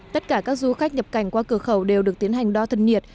tất cả các du khách nhập cảnh qua cửa khẩu đều được tiến hành đo thân nhiệt